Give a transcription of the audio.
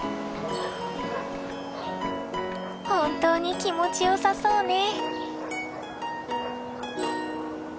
本当に気持ちよさそうね。